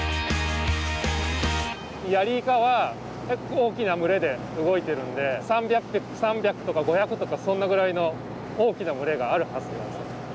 ヤリイカは結構大きな群れで動いてるんで３００とか５００とかそんなぐらいの大きな群れがあるはずなんすよ。